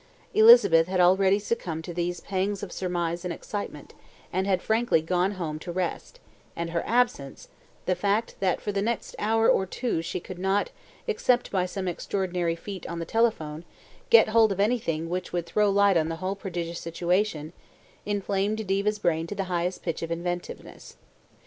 Elizabeth had already succumbed to these pangs of surmise and excitement, and had frankly gone home to rest, and her absence, the fact that for the next hour or two she could not, except by some extraordinary feat on the telephone, get hold of anything which would throw light on the whole prodigious situation, inflamed Diva's brain to the highest pitch of inventiveness.